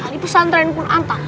di pusantren punanta